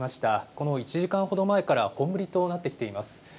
この１時間ほど前から本降りとなってきています。